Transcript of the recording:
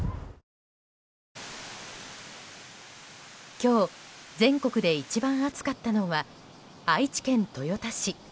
今日、全国で一番暑かったのは愛知県豊田市。